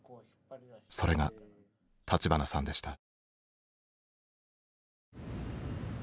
それが立花さんでした。